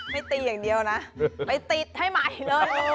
ไม่ตีอย่างเดียวนะไปติดให้ใหม่เลย